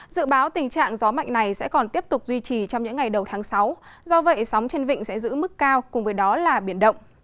dự báo tình trạng gió mạnh này sẽ còn tiếp tục duy trì trong những ngày đầu tháng sáu do vậy sóng trên vịnh sẽ giữ mức cao cùng với đó là biển động